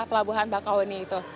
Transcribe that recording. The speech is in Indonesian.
pelabuhan bakaweni itu